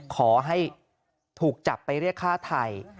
ขอให้ถูกจับไปเรียกฆ่าไทย